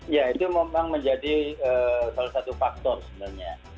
ya itu memang menjadi salah satu faktor sebenarnya